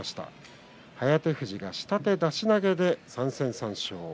颯富士、下手出し投げ３戦３勝。